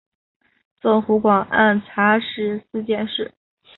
赠湖广按察使司佥事。